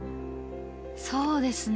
そうですね